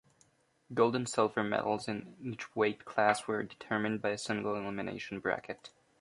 Gold and silver medals in each weight class were determined by a single-elimination bracket.